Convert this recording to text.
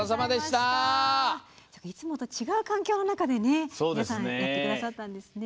いつもと違う環境の中で皆さんやってくださったんですね。